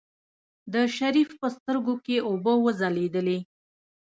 د شريف په سترګو کې اوبه وځلېدلې.